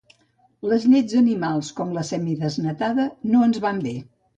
Les llets animals, com la semidesnatada, no ens van bé.